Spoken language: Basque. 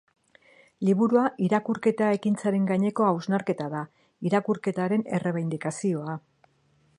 Liburua irakurketa ekintzaren gaineko hausnarketa da, irakurketaren errebindikazioa.